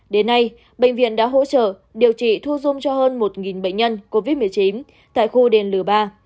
đến nay bệnh viện đã hỗ trợ điều trị thu dung cho hơn một bệnh nhân covid một mươi chín tại khu đền lửa ba